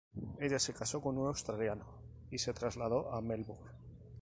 Ella se casó con un australiano y se trasladó a Melbourne.